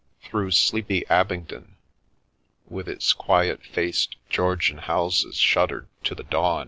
Through sleepy Abingdon, with its quiet faced Georgian houses shuttered to the dawn